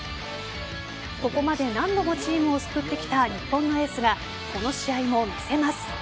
ここまで何度もチームを救ってきた日本のエースがこの試合も見せます。